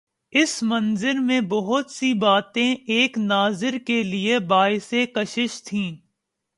اس منظر میں بہت سی باتیں ایک ناظر کے لیے باعث کشش تھیں۔